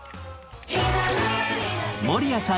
守屋さん